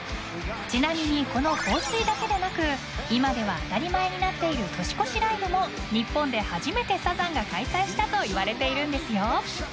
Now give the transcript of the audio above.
［ちなみにこの放水だけでなく今では当たり前になっている年越しライブも日本で初めてサザンが開催したといわれているんですよ］